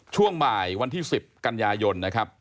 ช่วงบ่ายวันที่๑๐กันยายนนะครับ